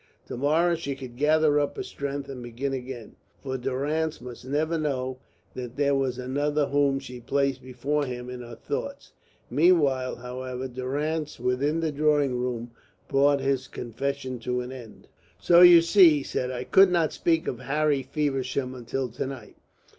To morrow she could gather up her strength and begin again. For Durrance must never know that there was another whom she placed before him in her thoughts. Meanwhile, however, Durrance within the drawing room brought his confession to an end. "So you see," he said, "I could not speak of Harry Feversham until to night.